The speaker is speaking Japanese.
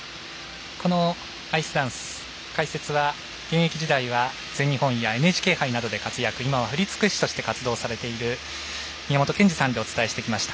このアイスダンス、解説は現役時代は全日本やＮＨＫ杯などで活躍、今は振付師として活動されている宮本賢二さんとお伝えしてきました。